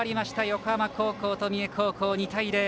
横浜高校と三重高校、２対０。